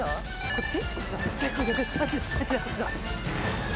こっち。